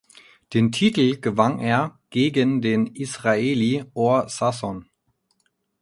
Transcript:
Den Titel gewann er gegen den Israeli Or Sasson.